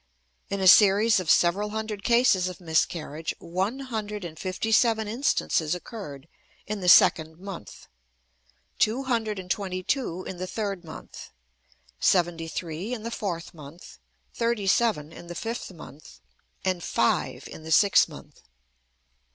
In a series of several hundred cases of miscarriage, one hundred and fifty seven instances occurred in the second month, two hundred and twenty two in the third month, seventy three in the fourth month, thirty seven in the fifth month, and five in the sixth month.